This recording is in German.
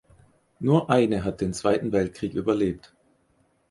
Nur eine hat den Zweiten Weltkrieg überlebt.